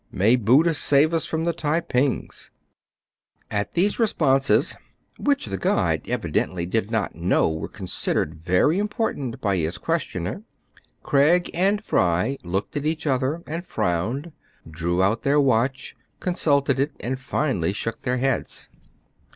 May Buddha save us from the Tai pings !" At these responses, which the guide evidently did not know were considered very important by his questioner, Craig and Fry looked at each other, and frowned, drew out their watch, con sulted it, and finally shook their heads.